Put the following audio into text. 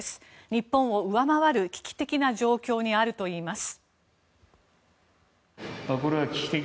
日本を上回る危機的な状況にあるといいます。